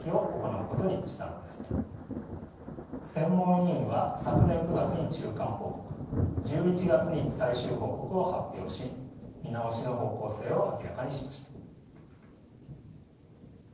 専門委員は昨年９月に中間報告１１月に最終報告を発表し見直しの方向性を明らかにしました。